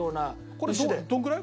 これどのくらい？